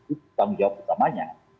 itu tanggung jawab utamanya